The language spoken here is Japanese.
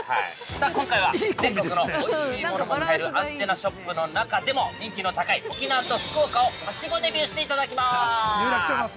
さあ今回は全国のおいしいものも買えるアンテナショップの中でも人気の高い沖縄と福岡をはしごデビューしていただきます！